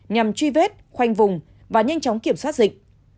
nhằm truy vết khoanh vùng và nhanh chóng kiểm soát dịch